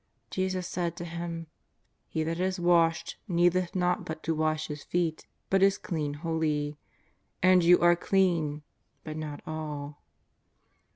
Jesus said to him :" He that is washed needeth not but to wash his feet, but is clean wholly. And you are clean, but not all."